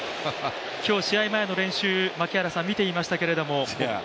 今日試合前の練習、槙原さん見ていましたけれども。